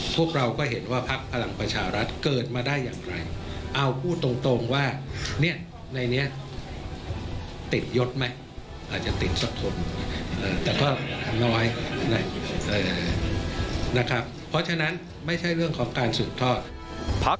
พวกเราก็เห็นว่าพักพลังประชารัฐเกิดมาได้อย่างไรเอาพูดตรงว่าเนี่ยในนี้ติดยศไหมอาจจะติดสักคนแต่ก็น้อยนะครับเพราะฉะนั้นไม่ใช่เรื่องของการสืบทอดพัก